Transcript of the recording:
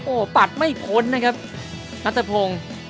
โอ้โหปัดไม่พ้นนะครับนัทพงศ์